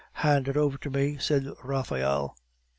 "Hand it over to me," said Raphael.